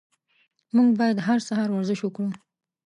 موږ باید هر سهار ورزش وکړو.